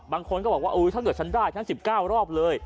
บางคนก็บอกว่าอุ๊ยถ้าเหนือฉันได้ฉัน๑๙รอบเลย